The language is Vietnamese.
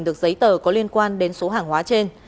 được giấy tờ có liên quan đến số hàng hóa trên